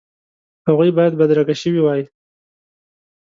هغوی باید بدرګه شوي وای.